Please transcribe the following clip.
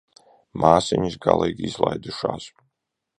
Māsiņas galīgi izlaidušās.